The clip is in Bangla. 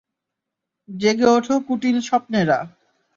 জেগে ওঠো কুটিল স্বপ্নেরা।